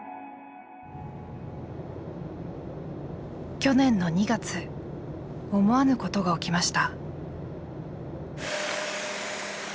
去年の２月思わぬことが起きました。